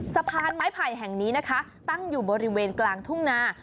สะพานไม้ไผ่แห่งนี้นะคะตั้งอยู่บริเวณกลางทุ่งนา